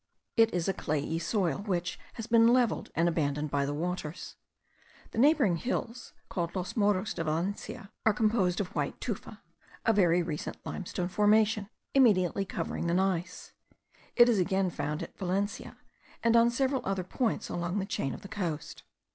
It is a clayey soil, which has been levelled and abandoned by the waters. The neighbouring hills, called Los Morros de Valencia, are composed of white tufa, a very recent limestone formation, immediately covering the gneiss. It is again found at Victoria, and on several other points along the chain of the coast.